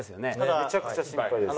めちゃくちゃ心配です。